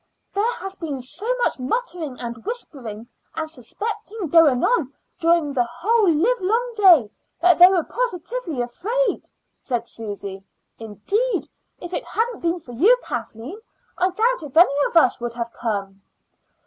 "There has been so much muttering and whispering and suspecting going on during the whole livelong day that they were positively afraid," said Susy. "Indeed, if it hadn't been for you, Kathleen, I doubt if any of us would have come."